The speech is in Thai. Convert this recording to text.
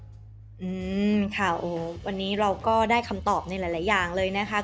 อืมค่ะโอ้วันนี้เราก็ได้คำตอบในหลายอย่างเลยนะคะ